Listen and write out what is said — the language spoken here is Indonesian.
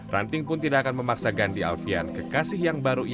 ranting pun tidak akan memaksa gandhi alfian kekasih yang baru ia